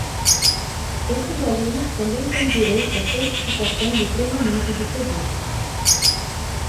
Esses alunos também têm direito à certificação do treinamento recebido.